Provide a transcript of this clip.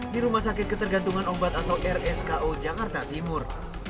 di rumah sakit ketergantungan obat atau rsko jakarta timur